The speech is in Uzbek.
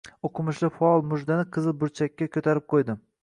O’qimishli faol mujdani «qizil burchak»ka ko‘tarib qo‘ydi.